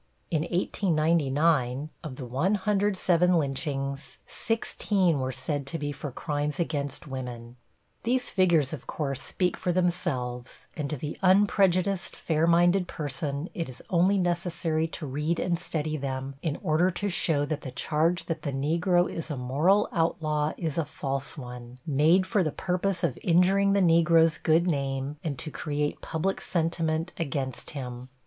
In 1899, of the 107 lynchings, 16 were said to be for crimes against women. These figures, of course, speak for themselves, and to the unprejudiced, fair minded person it is only necessary to read and study them in order to show that the charge that the Negro is a moral outlaw is a false one, made for the purpose of injuring the Negro's good name and to create public sentiment against him.